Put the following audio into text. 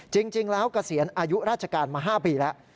จริงแล้วเกษียณอายุราชการมา๕ปีแล้ว